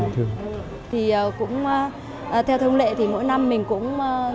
thì cũng theo thông lệ thì mỗi năm mình cũng